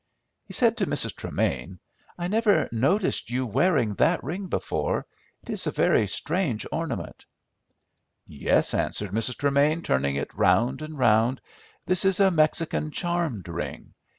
He said to Mrs. Tremain, "I never noticed you wearing that ring before. It is a very strange ornament." "Yes," answered Mrs. Tremain, turning it round and round. "This is a Mexican charmed ring.